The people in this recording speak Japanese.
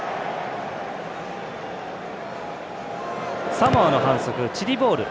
サモアの反則、チリボール。